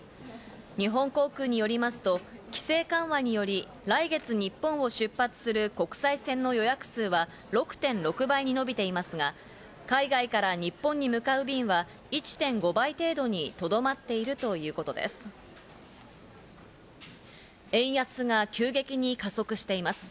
日本航空によりますと規制緩和により来月、日本を出発する国際線の予約数は６．６倍に伸びていますが、海外から日本に向かう便は１．５倍程度にとどまっているというこ円安が急激に加速しています。